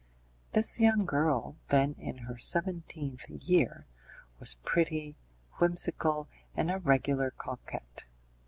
This young girl, then in her seventeenth year, was pretty, whimsical, and a regular coquette.